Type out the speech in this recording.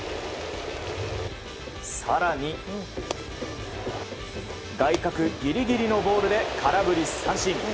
更に、内角ギリギリのボールで空振り三振。